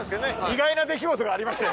意外な出来事がありまして。